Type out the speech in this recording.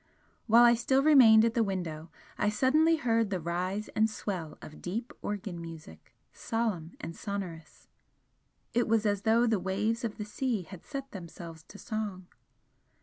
While I still remained at the window I suddenly heard the rise and swell of deep organ music, solemn and sonorous; it was as though the waves of the sea had set themselves to song.